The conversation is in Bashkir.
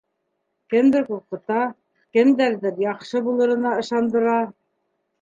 Кемдер ҡурҡыта, кемдәрҙер яҡшы булырына ышандыра.